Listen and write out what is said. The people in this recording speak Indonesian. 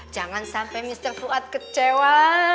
jangan sampai mr fuad kecewa